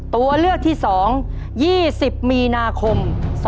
ตัวเลือกที่๒๒๐มีนาคม๒๕๖